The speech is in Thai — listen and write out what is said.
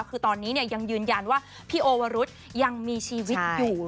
คือตอนนี้ยังยืนยันว่าพี่โอวรุษยังมีชีวิตอยู่